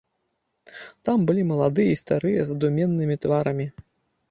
Там былі маладыя і старыя з задумёнымі тварамі.